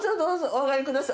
お上がりください。